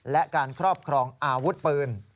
และการครอบครองอาวุธปืน